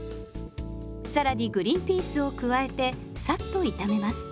更にグリンピースを加えてさっと炒めます。